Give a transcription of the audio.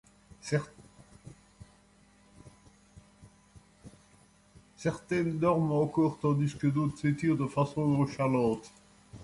Certaines dorment encore tandis que d'autres s'étirent de façon nonchalante.